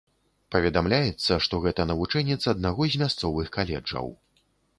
Паведамляецца, што гэта навучэнец аднаго з мясцовых каледжаў.